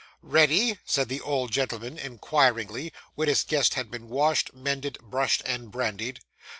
'Ready?' said the old gentleman inquiringly, when his guests had been washed, mended, brushed, and brandied.